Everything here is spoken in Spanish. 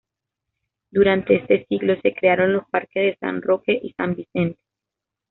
Durante este siglo se crearon los parques de San Roque y San Vicente.